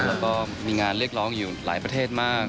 แล้วก็มีงานเรียกร้องอยู่หลายประเทศมาก